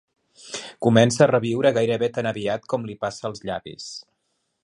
Comença a reviure gairebé tan aviat com li passa els llavis.